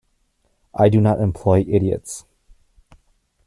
I do not employ idiots".